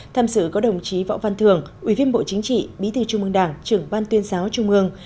tham sự có đồng chí võ văn thường ủy viên bộ chính trị bí thư trung ương đảng trưởng ban tuyên giáo trung ương